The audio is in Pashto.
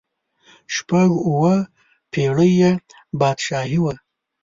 شپږ اووه پړۍ یې بادشاهي وه.